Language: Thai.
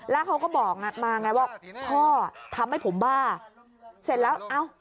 แล้วเขาก็บอกมาไงว่าพ่อทำให้ผมบ้าเสร็จแล้วเอ้า